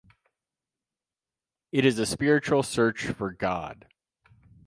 It is a spiritual search for god.